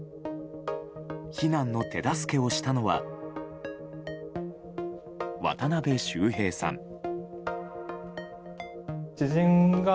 避難の手助けをしたのは渡邊修平さん。